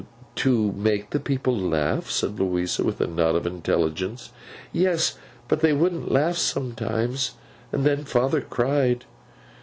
'To make the people laugh?' said Louisa, with a nod of intelligence. 'Yes. But they wouldn't laugh sometimes, and then father cried.